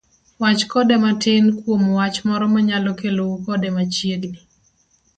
wach kode matin kuom wach moro mayalo kelou kode machiegni.